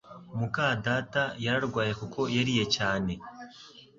muka data yararwaye kuko yariye cyane